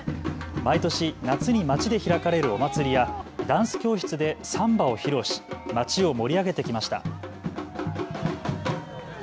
毎年夏に町で開かれるお祭りやダンス教室でサンバを披露し町を盛り上げてきました。